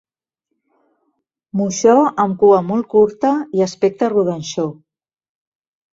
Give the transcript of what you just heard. Moixó amb cua molt curta i aspecte rodanxó.